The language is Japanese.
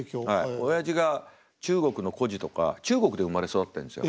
おやじが中国の故事とか中国で生まれ育ってんですよ。